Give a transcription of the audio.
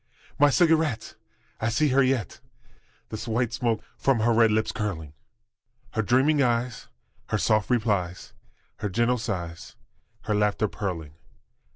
My cigarette! I see her yet, The white smoke from her red lips curling, Her dreaming eyes, her soft replies, Her gentle sighs, her laughter purling!